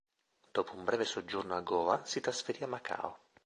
Dopo un breve soggiorno a Goa si trasferì a Macao.